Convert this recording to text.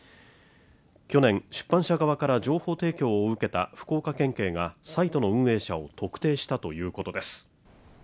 去年、出版社側から情報提供を受けた福岡県警がサイトの運営者を特定したということです